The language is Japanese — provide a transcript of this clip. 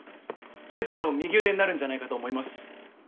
先生の右腕になるんじゃないかと思います